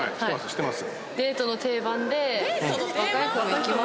知ってます？